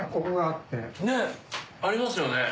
ねっ！ありますよね。